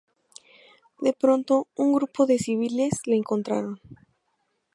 De pronto, un grupo de civiles le encontraron.